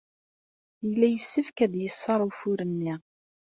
Yella yessefk ad yeṣṣer ufur-nni.